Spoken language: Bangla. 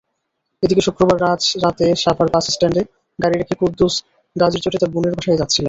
এদিকে শুক্রবার রাতে সাভার বাসস্ট্যান্ডে গাড়ি রেখে কুদ্দুস গাজীরচটে তাঁর বোনের বাসায় যাচ্ছিলেন।